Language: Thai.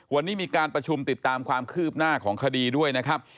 วันนี้มีการประชุมติดตามความคืบหน้าของคดีด้วยนะครับ